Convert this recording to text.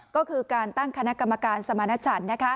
ก็คือการตั้งคกรสมานชัน